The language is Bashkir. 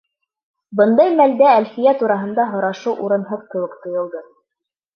Бындай мәлдә Әлфиә тураһында һорашыу урынһыҙ кеүек тойолдо.